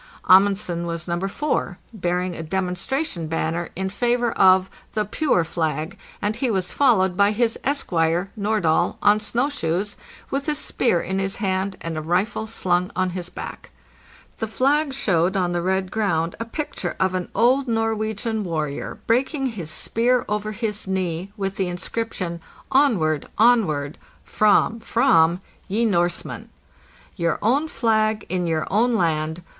Amundsen was No. 4, bearing a demonstration banner in favor of "the Pure Flag,' and he was followed by his esquire, Nordahl, on snow shoes with a spear in his hand and a rifle slung on his back. The flag showed on the red scround a picture of an old Norwegian warrior breaking his spear over his knee, with the inscription "Onward! Onward! [Fram ! Fram!], ye Norseman! Your own flag in your own land.